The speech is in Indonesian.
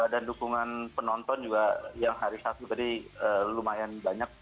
dan dukungan penonton juga yang hari sabtu tadi lumayan banyak